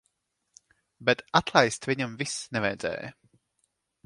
Bet atlaist viņam vis nevajadzēja.